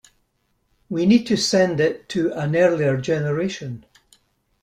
We need to send it to an earlier generation.